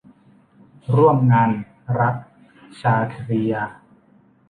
ร่วมงานรัก - ชาครียา